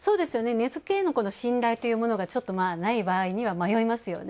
値付けへの信頼というものがない場合には迷いますよね。